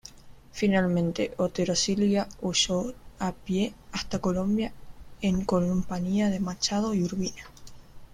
Finalmente Otero Silva huyó a pie hasta Colombia en compañía de Machado y Urbina.